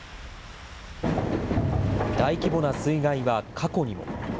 大規模な水害は過去にも。